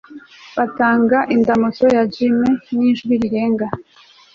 Batanga indamutso ya gim nijwi rirenga